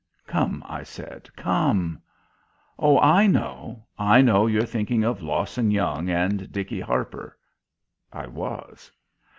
"Come," I said, "come." "Oh, I know. I know you're thinking of Lawson Young and Dickey Harper." I was.